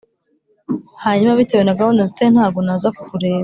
hanyuma bitewe na gahuda mfite ntago naza kukureba